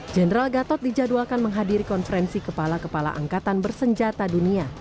jenderal gatot dijadwalkan menghadiri konferensi kepala kepala angkatan bersenjata dunia